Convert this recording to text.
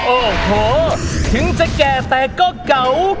โอ้โหถึงจะแก่แต่ก็เก่า